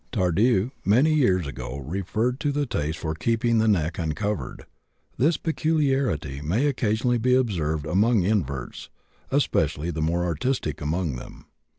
Tardieu many years ago referred to the taste for keeping the neck uncovered. This peculiarity may occasionally be observed among inverts, especially the more artistic among them.